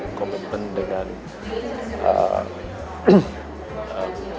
kalau pelit p decides